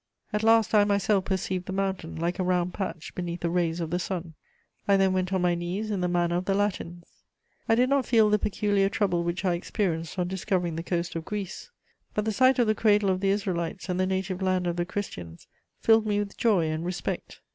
At last I myself perceived the mountain, like a round patch beneath the rays of the sun. I then went on my knees in the manner of the Latins. I did not feel the peculiar trouble which I experienced on discovering the coast of Greece: but the sight of the cradle of the Israelites and the native land of the Christians filled me with joy and respect.